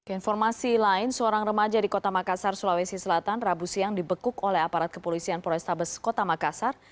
informasi lain seorang remaja di kota makassar sulawesi selatan rabu siang dibekuk oleh aparat kepolisian polrestabes kota makassar